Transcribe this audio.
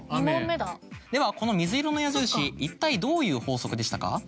２問目だではこの水色の矢印一体どういう法則でしたか？